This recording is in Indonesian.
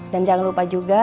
dan jangan lupa juga